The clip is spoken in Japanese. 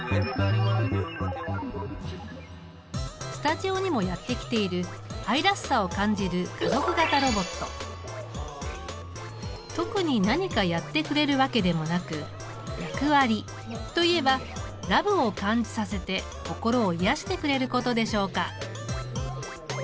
スタジオにもやって来ている愛らしさを感じる特に何かやってくれるわけでもなく役割といえばＬＯＶＥを感じさせて心を癒やしてくれることでしょうか。